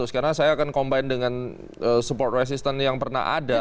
karena saya akan combine dengan support resistance yang pernah ada